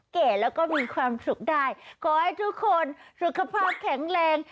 แก่แล้วก็มีความสุขได้ขอให้ทุกคนสุขภาพแข็งแรง